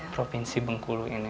provinsi bengkulu ini